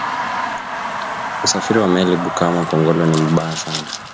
Usafiri wa meli bukama kongolo ni mubaya sana